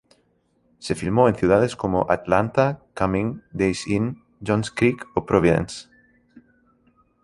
Se filmó en ciudades como Atlanta, Cumming, Days Inn, Johns Creek o Providence.